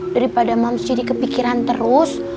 daripada mau jadi kepikiran terus